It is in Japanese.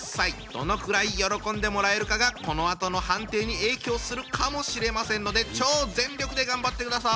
どのくらい喜んでもらえるかがこのあとの判定に影響するかもしれませんので超全力で頑張ってください！